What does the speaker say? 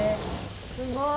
すごい。